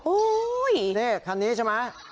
อุ้ยนี่คันนี้ใช่ไหม